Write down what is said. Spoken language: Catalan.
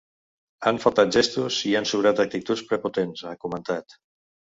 Han faltat gestos i han sobrat actituds prepotents, ha comentat.